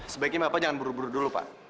sebaiknya bapak jangan buru buru pak